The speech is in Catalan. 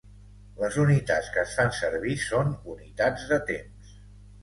Les unitats que es fan servir són unitats de temps.